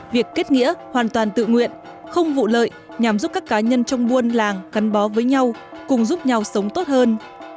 việc kết nghĩa hoàn toàn tự nguyện không vụ lợi nhằm giúp các cá nhân trong buôn làng cắn bó với nhau cùng giúp nhau sống tốt hơn